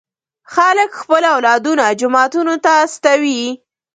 خلک خپل اولادونه جوماتونو ته استوي.